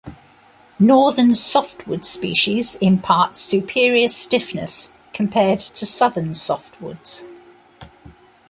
Northern softwood species impart superior stiffness compared to southern softwoods.